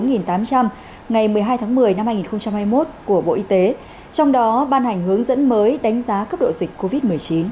ngày một mươi hai tháng một mươi năm hai nghìn hai mươi một của bộ y tế trong đó ban hành hướng dẫn mới đánh giá cấp độ dịch covid một mươi chín